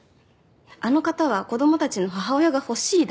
あの方は子供たちの母親が欲しいだけよ。